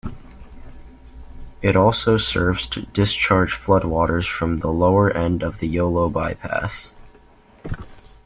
It also serves to discharge floodwaters from the lower end of the Yolo Bypass.